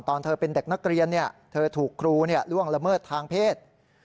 ตอนเธอเป็นเด็กนักเรียนเธอถูกครูล่วงละเมิดทางเพศ